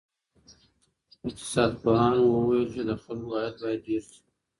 اقتصاد پوهانو وویل چې د خلکو عاید باید ډېر سي.